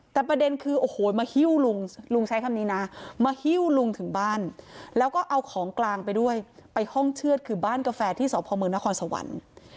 แต่ประเด็นคือโอ้โหมาฮิ้วลุงลุงใช้คำนี้นะมาฮิ้วลุงถึงบ้านแล้วก็เอาของกลางไปด้วยไปห้องเชือดคือบ้านกาแฟที่สพมนครสวรรค์